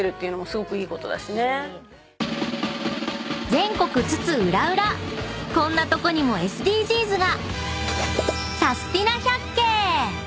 ［全国津々浦々こんなとこにもＳＤＧｓが！］